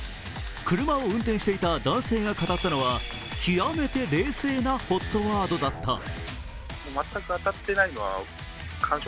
車を運転していた男性が語ったのは、極めて冷静なＨＯＴワードだった。